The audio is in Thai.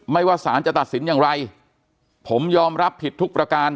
ว่าสารจะตัดสินอย่างไรผมยอมรับผิดทุกประการ